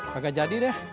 kagak jadi deh